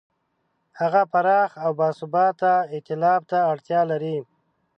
هغه پراخ او باثباته ایتلاف ته اړتیا لري.